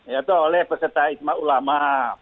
yaitu oleh peserta isma ulama